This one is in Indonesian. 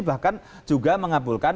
bahkan juga mengabulkan